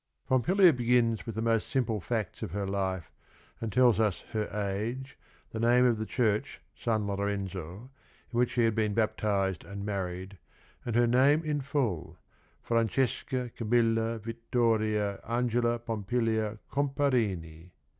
Pompilia begins with the most simple facts of her life and tells us her age, the name of the church, San Lorenzo, in which she had been baptized and married, and her name in full, Francesca Camilla Vittoria Angela Pompilia Comparini.